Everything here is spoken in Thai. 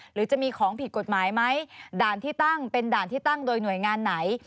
หรือจะมีของผิดกฎหมายไหมด่านที่ตั้งเป็นด่านที่ตั้งโดยหน่วยงานไหน